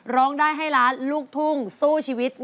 ร้องได้ให้ล้านลูกทุ่งสู้ชีวิต